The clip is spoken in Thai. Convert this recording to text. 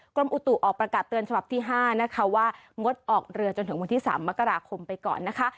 กรมอุตุออกประกาศเตือนฉบับที่๕นะคะว่างดออกเรือจนถึงวันที่๓มกราคมไปก่อนนะคะ